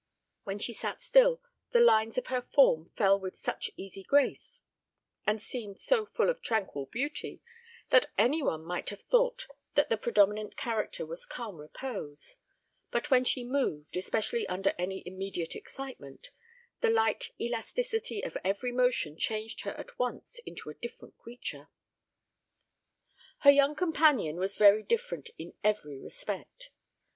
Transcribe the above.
When she sat still, the lines of her form fell with such easy grace, and seemed so full of tranquil beauty, that any one might have thought that the predominant character was calm repose; but when she moved, especially under any immediate excitement, the light elasticity of every motion changed her at once into a different creature. Her young companion was very different in every respect.